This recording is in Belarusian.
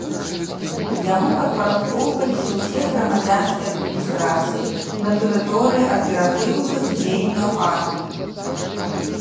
Яму падпарадкоўваліся ўсе грамадзянскія адміністрацыі на тэрыторыі аператыўных дзеянняў арміі.